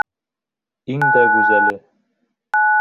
Иң дә гүзәле.